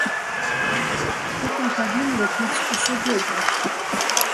А потым павінна быць усё добра.